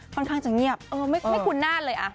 ค่อนข้างจะเงียบไม่คุณน่าดเลย